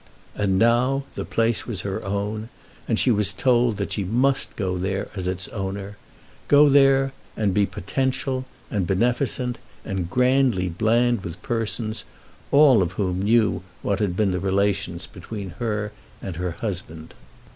And now the place was her own, and she was told that she must go there as its owner; go there and be potential, and beneficent, and grandly bland with persons, all of whom knew what had been the relations between her and her husband.